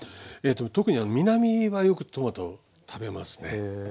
特に南はよくトマト食べますね。